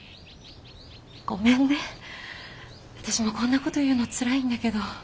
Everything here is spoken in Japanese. ごめんね私もこんなこと言うのつらいんだけど。